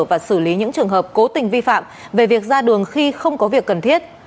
và xử lý những trường hợp cố tình vi phạm về việc ra đường khi không có việc cần thiết